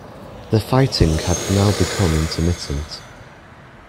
The fighting had now become intermittent.